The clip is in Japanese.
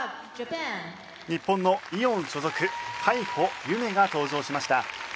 日本のイオン所属海保結愛が登場しました。